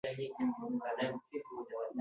زه خوشحاله شوم او د مرګ لپاره ارام ودرېدم